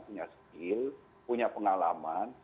punya skill punya pengalaman